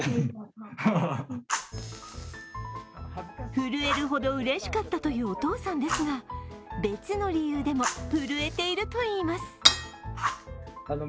震えるほどうれしかったというお父さんですが別の理由でも震えているといいます。